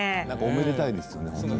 おめでたいですよね。